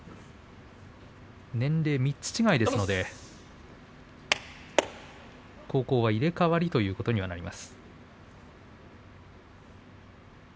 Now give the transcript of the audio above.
年齢、３つ違いですので高校は入れ代わりということになります。